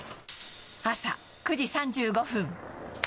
朝９時３５分。